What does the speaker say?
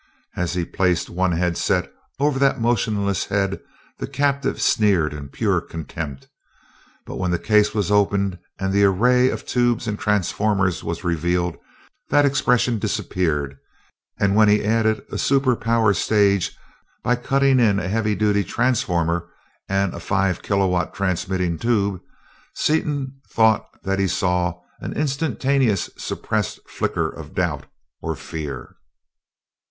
As he placed one headset over that motionless head the captive sneered in pure contempt, but when the case was opened and the array of tubes and transformers was revealed, that expression disappeared; and when he added a super power stage by cutting in a heavy duty transformer and a five kilowatt transmitting tube, Seaton thought that he saw an instantaneously suppressed flicker of doubt or fear.